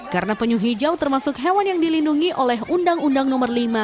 karena penyu hijau termasuk hewan yang dilindungi oleh undang undang nomor lima